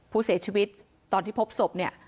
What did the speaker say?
ผู้เสียชีวิตตอนที่พบศพเนี่ย